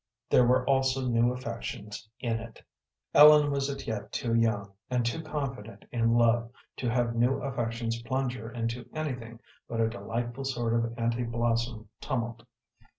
There were also new affections in it. Ellen was as yet too young, and too confident in love, to have new affections plunge her into anything but a delightful sort of anti blossom tumult.